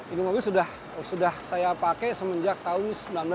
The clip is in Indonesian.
ini mobil sudah saya pakai semenjak tahun seribu sembilan ratus sembilan puluh